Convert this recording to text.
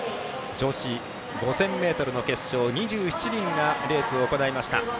女子５０００ｍの決勝２７人がレースを行いました。